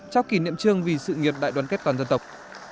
cho kỷ niệm trương vì sự nghiệp đại đoàn kết toàn dân tộc